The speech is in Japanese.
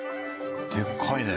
でっかいね。